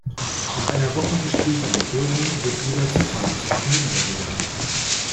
Nach einer Woche gespielter Empörung wird wieder zur Tagesordnung übergegangen.